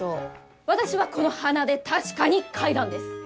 私はこの鼻で確かに嗅いだんです！